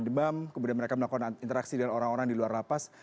demam kemudian mereka melakukan interaksi dengan orang orang di luar lapas